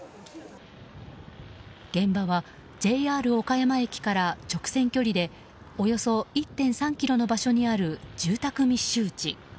現場はＪＲ岡山駅から直線距離でおよそ１．３ｋｍの場所にある住宅密集地。